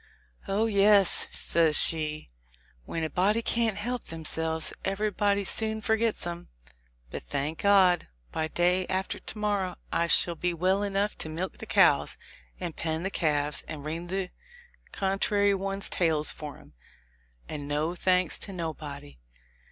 "Oh, yes," says she, "when a body can't help themselves, everybody soon forgets 'em; but, thank God! by day after to morrow I shall be well enough to milk the cows, and pen the calves, and wring the contrary ones' tails for 'em, and no thanks to nobody."